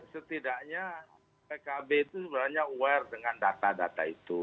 setidaknya pkb itu sebenarnya aware dengan data data itu